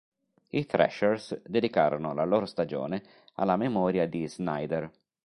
I Thrashers dedicarono la loro stagione alla memoria di Snyder.